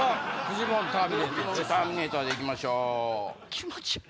気持ち悪い。